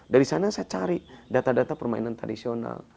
dari sana saya cari data data permainan tradisional